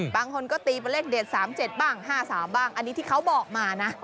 บางคนก็ตีเป็นเลขเด็ด๓๗บ้าง๕๓บ้างอันนี้ที่เขาบอกมานะ